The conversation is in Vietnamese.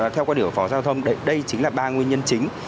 theo quan điểm của phó giao thông đấy chính là ba nguyên nhân chính